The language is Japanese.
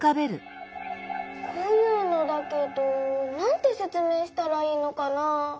こういうのだけどなんてせつめいしたらいいのかな？